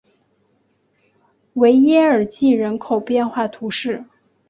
维耶尔济人口变化图示